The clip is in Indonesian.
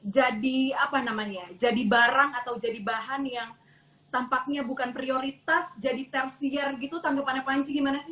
jadi apa namanya jadi barang atau jadi bahan yang tampaknya bukan prioritas jadi tertiar gitu tanggapannya apaan sih gimana sih